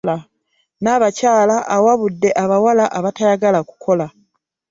Nabakyala awabudde abawala abatayagala kukola.